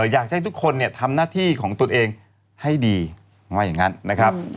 อยากให้ทุกคนเนี่ยทำหน้าที่ของตนเองให้ดีว่าอย่างนั้นนะครับ